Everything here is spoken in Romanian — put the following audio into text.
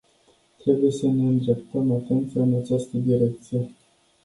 Trebuie să ne îndreptăm atenția în această direcție.